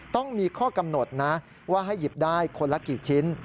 ต้องมีข้อกำหนดนะว่าให้หยิบได้คนละกี่ชิ้น